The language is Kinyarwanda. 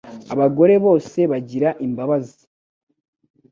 Abagore bose bagira imbabazi